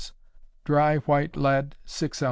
dry white lead, 6 oz.